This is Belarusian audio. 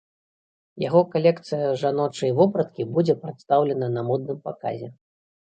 Яго калекцыя жаночай вопраткі будзе прадстаўлена на модным паказе.